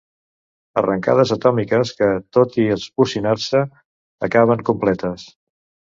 Arrencades atòmiques que, tot i esbocinar-se, acaben completes.